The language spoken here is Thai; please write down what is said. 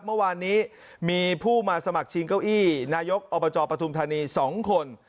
เมื่อวานนี้มีผู้มาสมัครชิงเก้าอี้นายกอบจปฐุมธานี๒คน